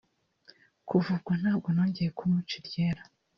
kuva ubwo ntabwo nongeye kumuca iryera